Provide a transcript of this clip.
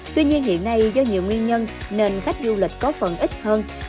tuy nhiên hiện nay do nhiều nguyên nhân nên khách du lịch có phần ít hơn